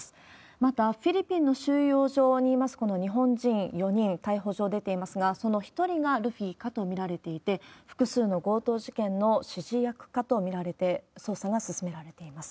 また、フィリピンの収容所にいます、この日本人４人、逮捕状出ていますが、その１人がルフィかと見られていて、複数の強盗事件の指示役かと見られて、捜査が進められています。